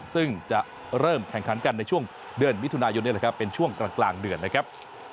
ซึ่งจะเริ่มแข่งขันกันในช่วงเดือนมิถุนายนนี่แหละครับเป็นช่วงกลางเดือนนะครับ